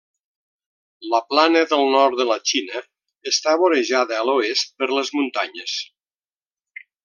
La Plana del Nord de la Xina està vorejada a l'oest per les muntanyes.